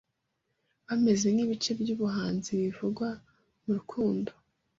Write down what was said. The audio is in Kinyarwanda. Bameze nkibice byubuhanzi bivugwa murukundo